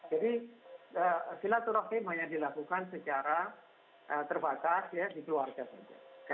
jadi shilatul rahim hanya dilakukan secara terbatas ya di keluarga saja